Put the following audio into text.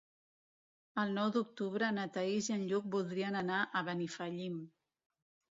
El nou d'octubre na Thaís i en Lluc voldrien anar a Benifallim.